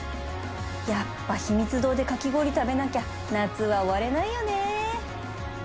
やっぱひみつ堂でかき氷食べなきゃ夏は終われないよね！